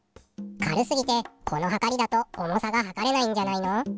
軽すぎてこのはかりだと重さが量れないんじゃないの？